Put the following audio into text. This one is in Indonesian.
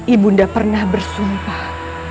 ibu undang pernah bersumpah